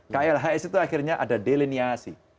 klhs itu akhirnya ada deliniasi